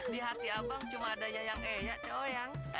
di hati abang cuma adanya yang eya cowok yang